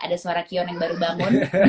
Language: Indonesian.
ada suara kion yang baru bangun